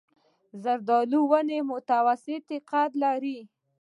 زردالو ونه متوسط قد لري.